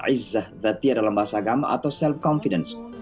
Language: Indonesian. izzah dati dalam bahasa agama atau self confidence